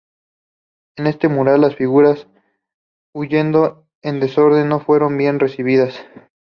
En este mural, las figuras huyendo en desorden no fueron bien recibidas.